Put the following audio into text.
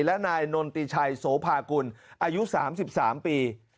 และนายนนติชัยโสภากุลอายุ๓๓ปี